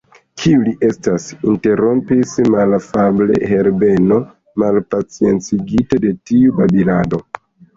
Kiu li estas? interrompis malafable Herbeno, malpaciencigite de tiu babilado.